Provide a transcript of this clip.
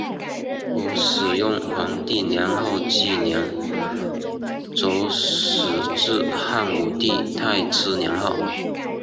而使用皇帝年号纪年则始自汉武帝太初年号。